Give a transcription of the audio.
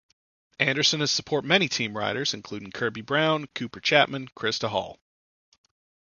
Anderson has support many team riders including Kerby Brown, Cooper Chapman, Christo Hall.